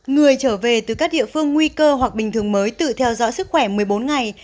người trở về từ các địa phương nguy cơ hoặc bình thường mới tự theo dõi sức khỏe một mươi bốn ngày